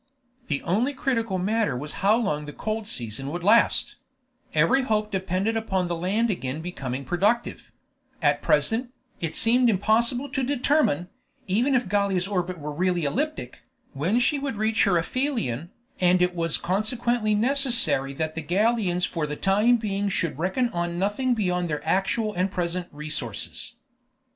The only critical matter was how long the cold season would last; every hope depended upon the land again becoming productive; at present, it seemed impossible to determine, even if Gallia's orbit were really elliptic, when she would reach her aphelion, and it was consequently necessary that the Gallians for the time being should reckon on nothing beyond their actual and present resources.